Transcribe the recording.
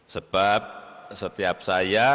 sebab setiap saya